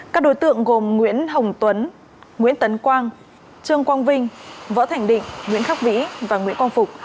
các đối tượng gồm nguyễn hồng tuấn nguyễn tấn quang trương quang vinh võ thành định nguyễn khắc vĩ và nguyễn quang phục